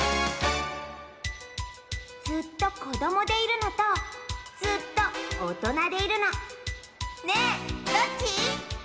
ずっとこどもでいるのとずっとおとなでいるのねえどっち？